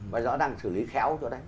và rõ ràng xử lý khéo